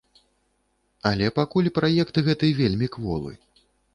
Але пакуль праект гэты вельмі кволы.